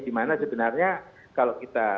dimana sebenarnya kalau kita